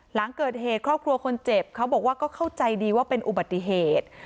หลังเกิดเหตุครอบครัวคนเจ็บเขาบอกว่าก็เข้าใจดีว่าเป็นอุบัติเหตุ